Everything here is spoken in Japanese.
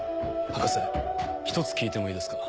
博士一つ聞いてもいいですか？